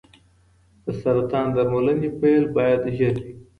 د سرطان درملنې پیل باید ژر وي.